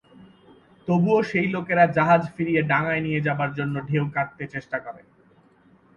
তবুও সেই লোকেরা জাহাজ ফিরিয়ে ডাঙায় নিয়ে যাবার জন্য ঢেউ কাটতে চেষ্টা করে।